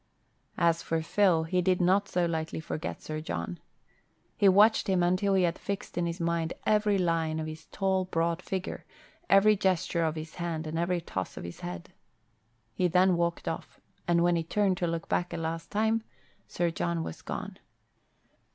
As for Phil, he did not so lightly forget Sir John. He watched him until he had fixed in his mind every line of his tall, broad figure, every gesture of his hand and every toss of his head. He then walked off, and when he turned to look back a last time Sir John was gone.